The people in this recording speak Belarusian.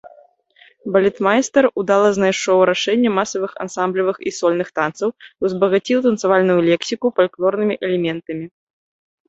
Балетмайстар удала знайшоў рашэнне масавых, ансамблевых і сольных танцаў, узбагаціў танцавальную лексіку фальклорнымі элементамі.